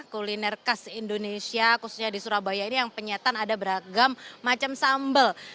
kuliner khas indonesia khususnya di surabaya ini yang penyatan ada beragam macam sambal